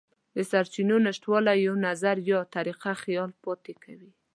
د سرچینو نشتوالی یو نظر یا طریقه خیال پاتې کوي.